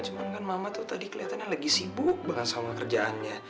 cuman kan mama tuh tadi kelihatannya lagi sibuk banget sama kerjaannya